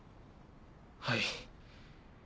はい。